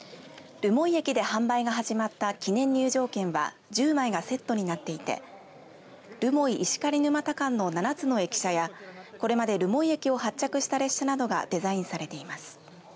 留萌駅で販売が始まった記念入場券は１０枚がセットになっていて留萌、石狩沼田間の７つの駅舎やこれまで留萌駅を発着した列車などがデザインされています。